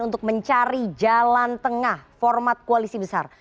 untuk mencari jalan tengah format koalisi besar